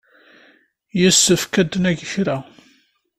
Yessefk ad neg kra.